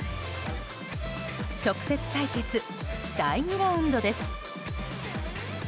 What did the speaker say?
直接対決、第２ラウンドです。